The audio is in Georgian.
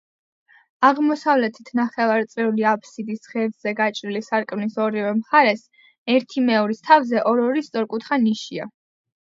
აღმოსავლეთით ნახევარწრიული აბსიდის ღერძზე გაჭრილი სარკმლის ორივე მხარეს, ერთიმეორის თავზე, ორ-ორი სწორკუთხა ნიშია.